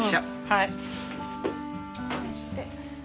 はい。